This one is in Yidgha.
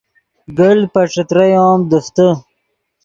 گلت پے ݯتریو ام دیفتے